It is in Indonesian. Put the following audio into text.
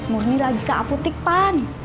murni lagi ke apotik pan